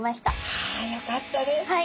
あよかったです。